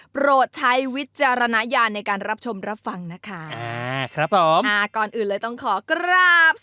โปรดใช้วิจารณญาณในการรับชมรับฟังนะคะอ่าครับผมอ่าก่อนอื่นเลยต้องขอกราบ